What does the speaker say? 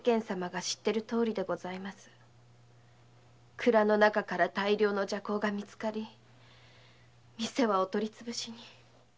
蔵の中から大量の麝香が見つかり店はお取り潰しに。